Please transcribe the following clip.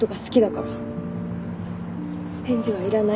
返事はいらない。